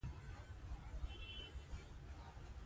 غرونه د افغانستان د اقلیم ځانګړتیا ده.